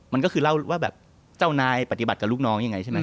มันก็คือเล่าว่าแบบเจ้านายปฏิบัติกับลูกน้องยังไงใช่ไหม